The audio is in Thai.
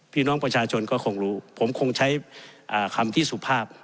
พี่น้องประชาชนก็คงรู้ผมคงใช้คำที่สุภาพ